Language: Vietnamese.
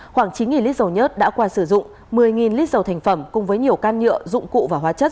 khoảng chín lít dầu nhất đã qua sử dụng một mươi lít dầu thành phẩm cùng với nhiều can nhựa dụng cụ và hóa chất